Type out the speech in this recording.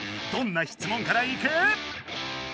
どんな質問からいく？